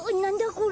これ。